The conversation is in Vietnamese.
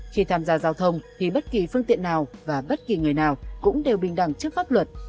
khi tham gia giao thông thì bất kỳ phương tiện nào và bất kỳ người nào cũng đều bình đẳng trước pháp luật